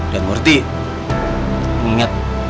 dan murtih inget